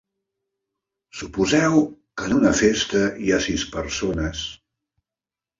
Suposeu que en una festa hi ha sis persones.